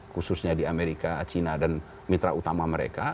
khususnya di amerika china dan mitra utama mereka